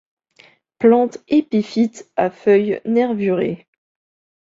Plantes épiphytes à feuilles nervurées.